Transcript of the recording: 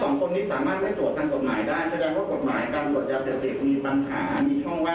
ก็ต้องให้ผู้ตรวจการแผ่นดินยืนที่รัฐศาสตราไม่มีการแก้แต่งกฎหมาย